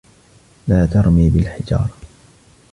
لا ترمي بالحجارة.